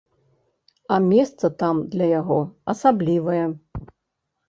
А месца там для яго асаблівае.